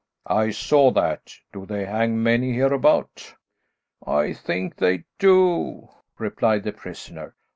"I saw that. Do they hang many here about?" "I think they do," replied the prisoner.